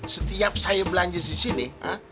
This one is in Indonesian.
setiap saya belanja disini